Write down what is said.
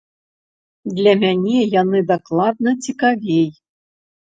Для мяне яны дакладна цікавей.